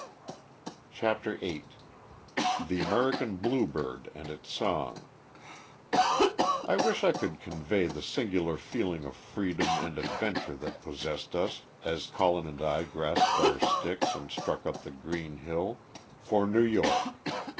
CHAPTER VIII THE AMERICAN BLUEBIRD AND ITS SONG I wish I could convey the singular feeling of freedom and adventure that possessed us as Colin and I grasped our sticks and struck up the green hill for New York.